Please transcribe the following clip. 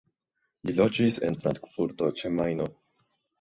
Li loĝis en Frankfurto ĉe Majno.